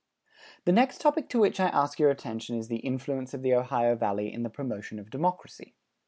The next topic to which I ask your attention is the influence of the Ohio Valley in the promotion of democracy.